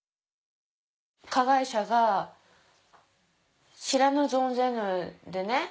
加害者が知らぬ存ぜぬでね